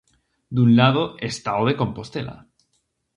Dun lado está o de Compostela.